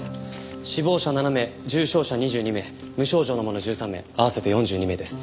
死亡者７名重症者２２名無症状の者１３名合わせて４２名です。